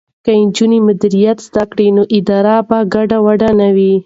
که نجونې مدیریت زده کړي نو ادارې به ګډې وډې نه وي.